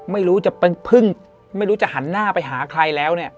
ไม่รู้จะพึ่งไม่รู้จะหันหน้าไปหาใครแล้วเนี่ย